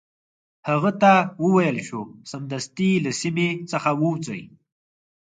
هغه ته وویل شو سمدستي له سیمي څخه ووزي.